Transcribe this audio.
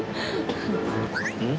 うん？